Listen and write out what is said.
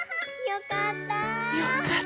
よかった。